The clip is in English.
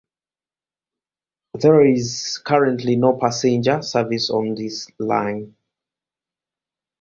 There is currently no passenger service on this line.